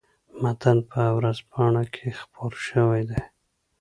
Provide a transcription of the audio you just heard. متن په ورځپاڼه کې خپور شوی دی.